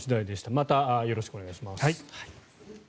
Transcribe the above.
またよろしくお願いします。